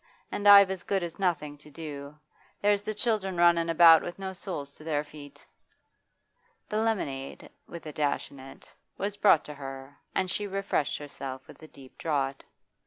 And I've as good as nothing to do. There's the children runnin' about with no soles to their feet.' The lemonade with a dash in it was brought to her, and she refreshed herself with a deep draught.